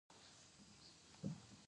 د رسنیو ژبه باید ډیره روانه وي.